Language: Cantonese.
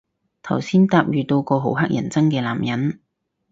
頭先搭遇到個好乞人憎嘅男人